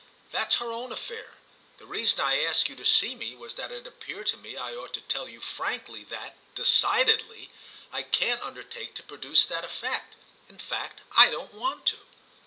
"That's her own affair. The reason I asked you to see me was that it appeared to me I ought to tell you frankly that—decidedly!—I can't undertake to produce that effect. In fact I don't want to!"